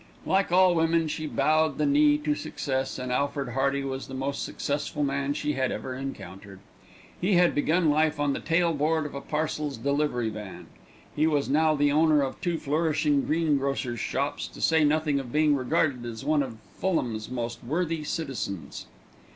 Like all women, she bowed the knee to success, and Alfred Hearty was the most successful man she had ever encountered. He had begun life on the tail board of a parcels delivery van, he was now the owner of two flourishing greengrocer's shops, to say nothing of being regarded as one of Fulham's most worthy citizens.